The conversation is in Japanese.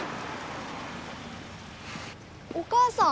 お母さん。